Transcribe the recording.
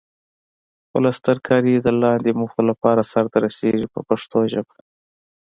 پلسترکاري د لاندې موخو لپاره سرته رسیږي په پښتو ژبه.